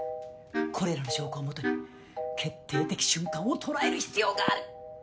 これらの証拠をもとに決定的瞬間を捉える必要がある。